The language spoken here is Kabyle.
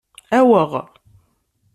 Aweɣ.